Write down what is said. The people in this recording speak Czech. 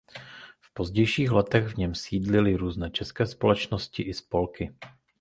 V pozdějších letech v něm sídlily různé české společnosti i spolky.